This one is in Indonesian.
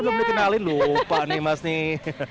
belum dikenalin lupa nih mas nih